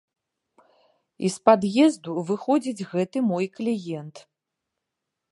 І з пад'езду выходзіць гэты мой кліент.